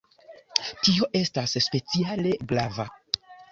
Tio estas speciale grava.